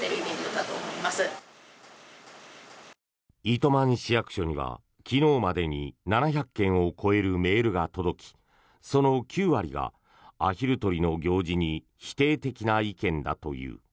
糸満市役所には昨日までに７００件を超えるメールが届きその９割がアヒル取りの行事に否定的な意見だという。